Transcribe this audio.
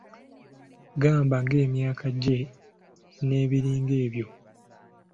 Gamba ng’emyaka gye n’ebiringa ebyo.